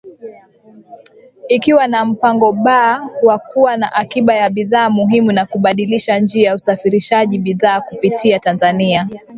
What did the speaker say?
Ikiwa na mpango B wa kuwa na akiba ya bidhaa muhimu na kubadilisha njia usafarishaji bidhaa kupitia Tanzania